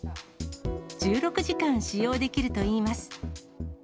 １６時間使用できるといいます。